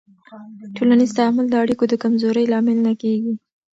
ټولنیز تعامل د اړیکو د کمزورۍ لامل نه کېږي.